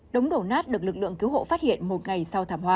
đống đổ nát được lực lượng cứu hộ phát hiện một ngày sau thảm họa